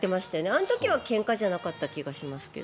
あの時は、けんかじゃなかった気がしますけど。